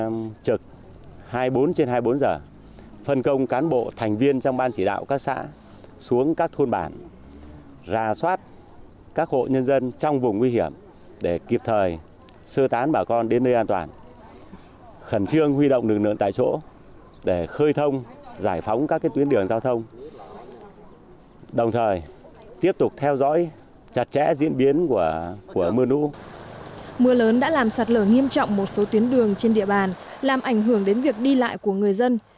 mưa lớn đã làm sạt lở nghiêm trọng một số tuyến đường trên địa bàn làm ảnh hưởng đến việc đi lại của người dân